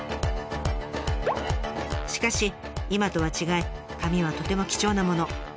しかし今とは違い紙はとても貴重なもの。